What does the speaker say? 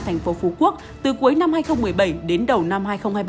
tp phú quốc từ cuối năm hai nghìn một mươi bảy đến đầu năm hai nghìn hai mươi ba